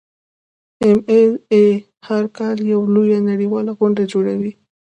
ایم ایل اې هر کال یوه لویه نړیواله غونډه جوړوي.